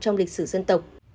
trong lịch sử dân tộc